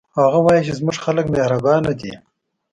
هغه وایي چې زموږ خلک مهربانه دي